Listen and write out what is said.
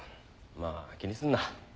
まあ気にすんな。